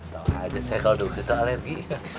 tau aja saya kalau duk situ alergi